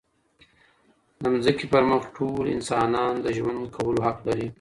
د ځمکې پر مخ ټول انسانان د ژوند کولو حق لري.